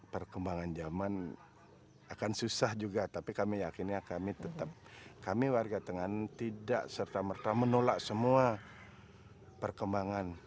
perkembangan zaman akan susah juga tapi kami yakinnya kami tetap kami warga tenganan tidak serta merta menolak semua perkembangan